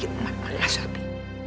yuk mak malah sobi